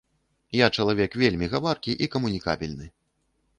Я чалавек вельмі гаваркі і камунікабельны.